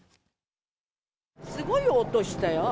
すごい落としたよ。